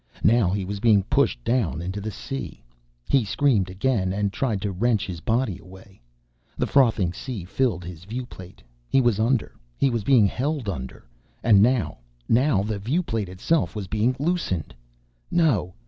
Now he was being pushed down into the sea. He screamed again and tried to wrench his body away. The frothing sea filled his viewplate. He was under. He was being held under. And now ... now the viewplate itself was being loosened. _No!